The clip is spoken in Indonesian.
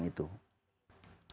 maka itu semuanya yang bisa kita lakukan